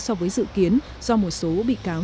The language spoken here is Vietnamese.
so với dự kiến do một số bị cáo